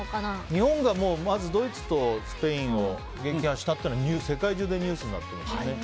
日本がまずドイツとスペインを撃破したというのは世界中でニュースになってますね。